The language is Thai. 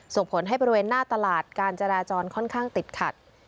ส่งผลให้บริเวณหน้าตลาดการจราจรค่อนข้างติดขัด